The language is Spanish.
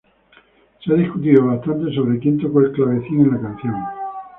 Se ha discutido bastante sobre quien tocó el clavecín en la canción.